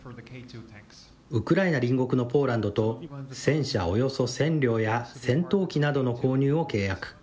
ウクライナ隣国のポーランドと戦車およそ１０００両や戦闘機などの購入を契約。